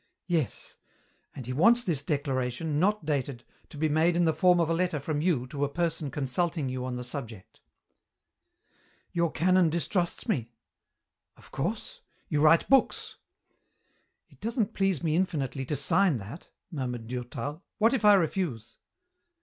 "Yes, and he wants this declaration, not dated, to be made in the form of a letter from you to a person consulting you on the subject." "Your canon distrusts me." "Of course. You write books." "It doesn't please me infinitely to sign that," murmured Durtal. "What if I refuse?"